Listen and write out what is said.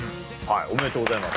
おめでとうございます。